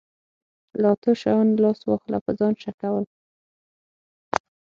له اتو شیانو لاس واخله په ځان شک کول.